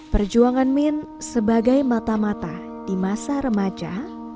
perjuangan min sebagai mata mata di masa remaja